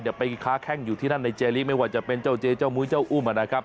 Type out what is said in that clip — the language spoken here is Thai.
ไปค้าแข้งอยู่ที่นั่นในเจริไม่ว่าจะเป็นเจ้าเจเจ้ามุ้ยเจ้าอุ้มนะครับ